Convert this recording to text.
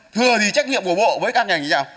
thì trách nhiệm của bộ với các ngành như thế nào